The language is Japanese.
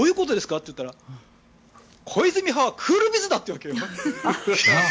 って言ったら小泉派はクールビズだって言うわけ。